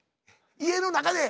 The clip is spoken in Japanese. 家の中で。